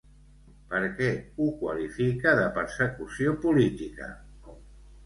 Per què ho qualifica de persecució política?